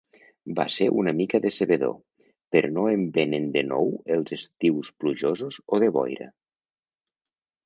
Va ser una mica decebedor, però no em venen de nou els estius plujosos o de boira.